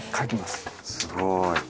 すごい！